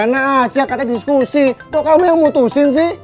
nah siang katanya diskusi kok kamu yang mutusin sih